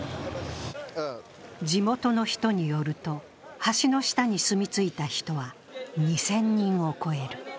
地元の人によると橋の下に住み着いた人は２０００人を超える。